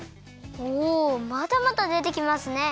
おおまだまだでてきますね。